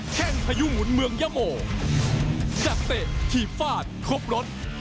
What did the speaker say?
จัดเตะขีบฟาดครบรถ